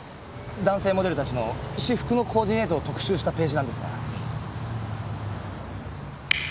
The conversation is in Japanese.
男性モデルたちの私服のコーディネートを特集したページなんですが。